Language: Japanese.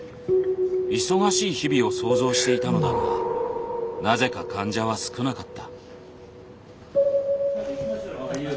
忙しい日々を想像していたのだがなぜか患者は少なかった。